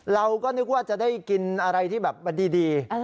เราก็นึกว่าจะได้กินอะไรที่แบบมันดี